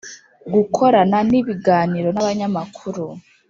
gukorana n’ibiganiro n’abanyamakuru;